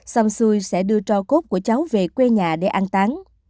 xong xui sẽ đưa trò cốt của cháu về quê nhà để ăn tán